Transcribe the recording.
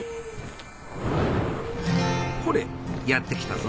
ほれやって来たぞ。